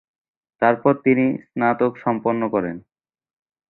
তারপর তিনি স্নাতক সম্পন্ন করেন।